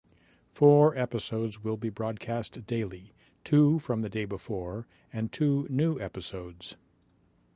Four episodes will be broadcast daily-two from the day before and two new episodes.